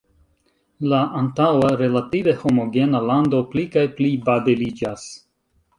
La antaŭa relative homogena lando pli kaj pli babeliĝas.